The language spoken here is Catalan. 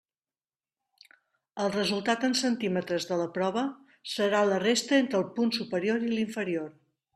El resultat en centímetres de la prova serà la resta entre el punt superior i l'inferior.